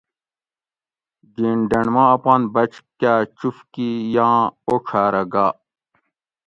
گین ڈینڈ ما اپان بچ کا چفکی یاں اوڄھارہ گا